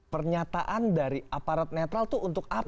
pernyataan dari aparat netral itu untuk apa